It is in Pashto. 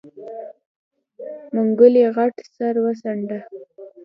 منګلي غټ سر وڅنډه.